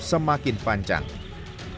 semakin menyebabkan penyakit